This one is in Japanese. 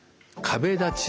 壁立ち。